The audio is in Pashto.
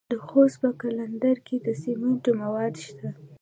د خوست په قلندر کې د سمنټو مواد شته.